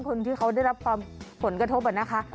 คนที่เขาได้รับความผลกระทบอะนะคะ